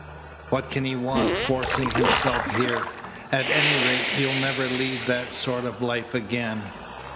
What can he want, forcing himself here? At any rate, you'll never lead that sort of life again?"